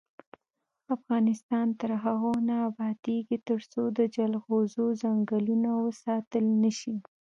افغانستان تر هغو نه ابادیږي، ترڅو د جلغوزو ځنګلونه وساتل نشي.